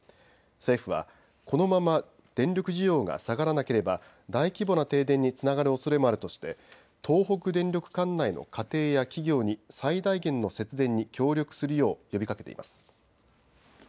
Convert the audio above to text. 政府はこのまま電力需要が下がらなければ大規模な停電につながるおそれもあるとして東北電力管内の家庭や企業に最大限の節電に協力するよう呼びかけています。